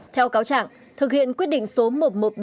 theo cáo trạng thực hiện quyết định số một trăm một mươi ba